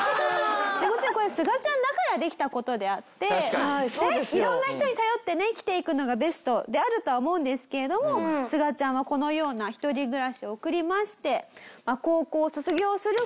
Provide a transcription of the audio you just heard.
もちろんこれすがちゃんだからできた事であって色んな人に頼ってね生きていくのがベストであるとは思うんですけれどもすがちゃんはこのような一人暮らしを送りまして。